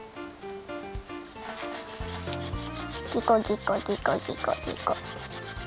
ギコギコギコギコ。